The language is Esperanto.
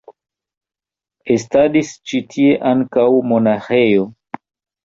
Estadis ĉi tie ankaŭ monaĥejo.